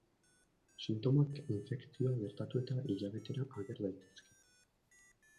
Sintomak infekzioa gertatu eta hilabetera ager daitezke.